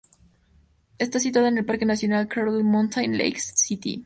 Está situada en el Parque nacional Cradle Mountain-Lake St.